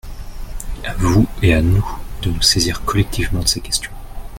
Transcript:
À vous et à nous de nous saisir collectivement de ces questions.